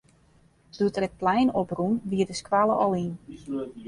Doe't er it plein op rûn, wie de skoalle al yn.